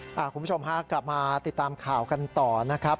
คุณผู้ชมฮะกลับมาติดตามข่าวกันต่อนะครับ